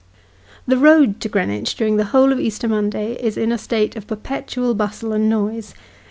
The road to Greenwich during the whole of Easter Monday, is in a state of perpetual bustle and noise.